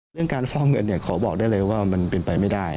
เรื่องการฟอกเงินขอบอกได้เลยว่ามันเป็นไปไม่ได้